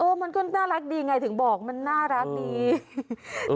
มันก็น่ารักดีไงถึงบอกมันน่ารักดี